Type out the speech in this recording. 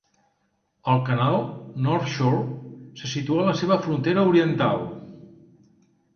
El Canal North Shore se situa a la seva frontera oriental.